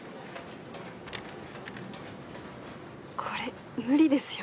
これ無理ですよ。